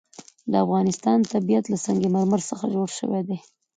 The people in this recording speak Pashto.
د افغانستان طبیعت له سنگ مرمر څخه جوړ شوی دی.